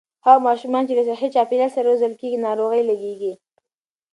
هغه ماشومان چې له صحي چاپېريال سره روزل کېږي، ناروغۍ لږېږي.